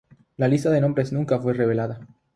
La lista de nombres nunca fue revelada.